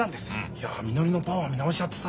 いやみのりのパワー見直しちゃってさ。